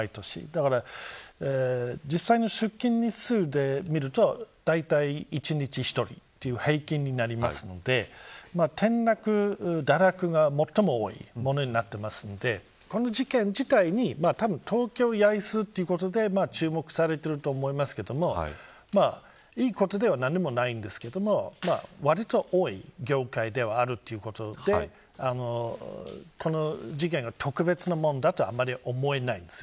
なので実際の出勤日数で見るとだいたい１日１人という平均になりますので転落が最も多いものになっていますのでこの事件自体に東京・八重洲ということで注目されていると思いますがわりと多い業界ではあるということでこの事件が特別なものだとあまり思えないんです。